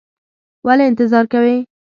ولې انتظار کوې؟